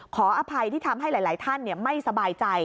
ขออภัยที่ทำให้หลายท่านไม่สบายใจ